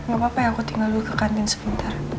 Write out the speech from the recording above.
gapapa ya aku tinggal dulu ke kantin sebentar